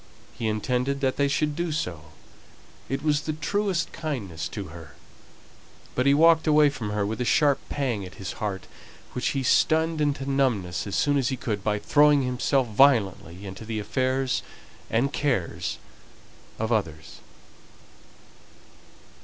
He intended that they should do so; it was the truest kindness to her; but he walked away from her with a sharp pang at his heart, which he stunned into numbness as soon as he could by throwing himself violently into the affairs and cares of others.